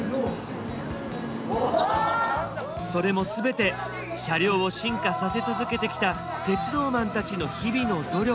それも全て車両を進化させ続けてきた鉄道マンたちの日々の努力。